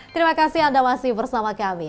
terima kasih anda masih bersama kami